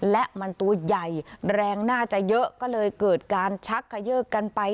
และมันตัวใหญ่แรงน่าจะเยอะก็เลยเกิดการชักเขยิกกันไป